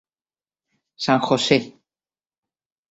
San José.